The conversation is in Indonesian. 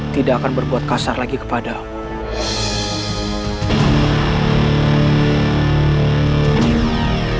tidak akan berbuat kasar lagi kepadamu